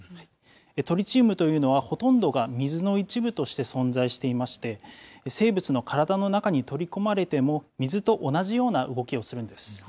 トリチウムというのは、ほとんどが水の一部として存在していまして、生物の体の中に取り込まれても、水と同じような動きをするんです。